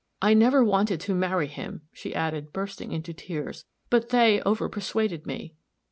"I never wanted to marry him," she added, bursting into tears, "but they overpersuaded me."